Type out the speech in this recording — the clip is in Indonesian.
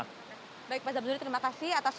baik pak zabzuri terima kasih